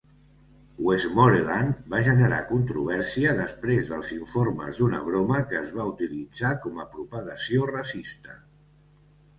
Westmoreland va generar controvèrsia després dels informes d'una broma que es va utilitzar com a propagació racista.